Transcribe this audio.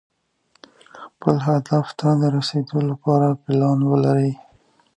خپل هدف ته د رسېدو لپاره پلان ولرئ.